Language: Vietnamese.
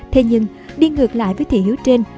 thế nhưng đi ngược lại với thị hiếu trên